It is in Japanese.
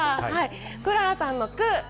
くららさんの「く」。